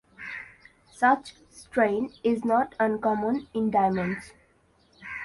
Such strain is not uncommon in diamonds.